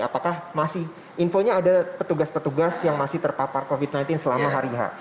apakah masih infonya ada petugas petugas yang masih terpapar covid sembilan belas selama hari h